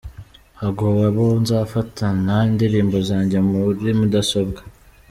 Hagowe abo nzafatana indirimbo zanjye muri mudasobwa